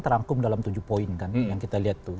terangkum dalam tujuh poin kan yang kita lihat tuh